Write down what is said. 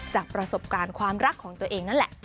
จากประสบการณ์ความรักของตัวเองนั่นแหละ